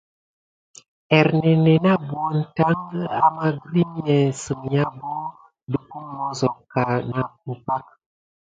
Ernénè na buna täki amà grirmà sem.yà saki depumosok kà nakua pak.